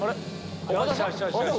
よしよしよしよし。